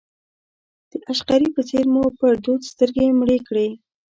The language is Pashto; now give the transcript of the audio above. د عشقري په څېر مو پر دود سترګې مړې کړې.